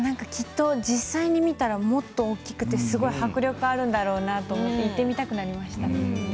実際に見たらもっと大きくて迫力があるんだろうなと思って行ってみたくなりました。